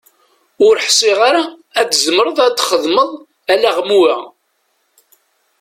Ur ḥsiɣ ara ad tzemreḍ ad d-txedmeḍ alaɣmu-a.